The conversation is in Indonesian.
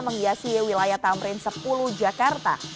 menghiasi wilayah tamrin sepuluh jakarta